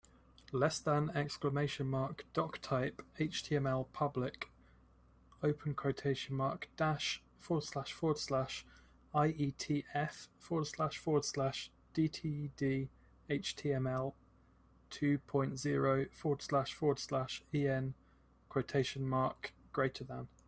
problems. Please try again later.